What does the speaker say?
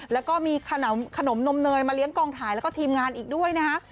แล้วก็มีขนมนมเนยมาเลี้ยงกองถ่ายแล้วก็ทีมงานอีกด้วยนะฮะ